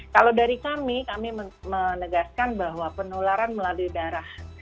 kalau dari kami kami menegaskan bahwa penularan melalui darah